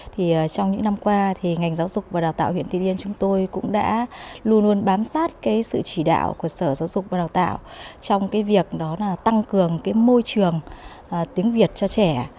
trong những năm qua ngành giáo dục và đào tạo huyện tinh yên chúng tôi cũng đã luôn luôn bám sát sự chỉ đạo của sở giáo dục và đào tạo trong việc tăng cường môi trường tiếng việt cho trẻ